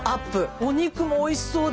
お肉もおいしそうで。